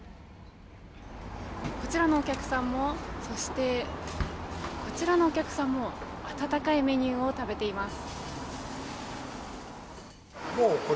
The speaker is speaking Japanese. こちらのお客さんもそして、こちらのお客さんも温かいメニューを食べています。